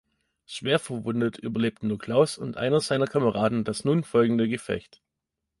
Schwer verwundet überlebten nur Klaus und einer seiner Kameraden das nun folgende Gefecht.